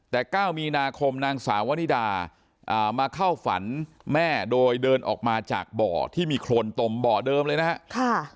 แต่๙มีนาคมนางสาววนิดามาเข้าฝันแม่โดยเดินออกมาจากบ่อที่มีโครนตมบ่อเดิมเลยนะครับ